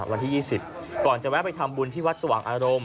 วันที่๒๐ก่อนจะแวะไปทำบุญที่วัดสว่างอารมณ์